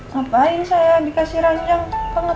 ngapain sayang dikasih ranjang